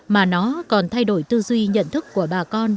mà nó còn thay đổi tư duy nhận thức của bà con